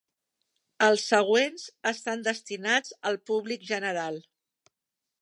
Els següents estan destinats al públic general.